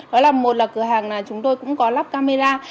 đó là một là cửa hàng là chúng tôi cũng có lắp camera